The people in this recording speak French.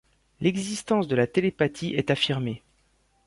L'existence de la télépathie est affirmée.